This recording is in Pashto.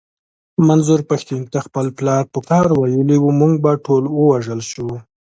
منظور پښتين ته خپل پلار په قهر ويلي و مونږ به ټول ووژل شو.